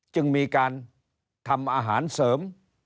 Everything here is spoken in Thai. จึงมีการทำอาหารเสริม